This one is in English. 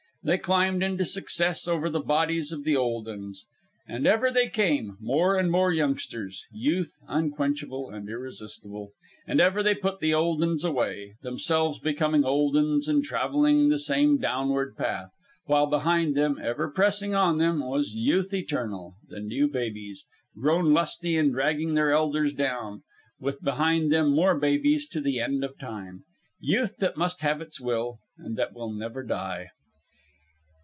They climbed to success over the bodies of the old uns. And ever they came, more and more youngsters Youth unquenchable and irresistible and ever they put the old uns away, themselves becoming old uns and travelling the same downward path, while behind them, ever pressing on them, was Youth eternal the new babies, grown lusty and dragging their elders down, with behind them more babies to the end of time Youth that must have its will and that will never die.